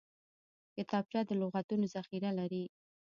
کتابچه د لغتونو ذخیره لري